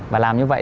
và làm như vậy